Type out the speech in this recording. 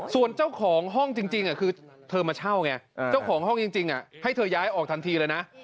ส่วนเจ้าของห้องจริงคือเธอมาเช่าไงเจ้าของห้องจริงให้เธอย้ายออกทันทีเลยนะ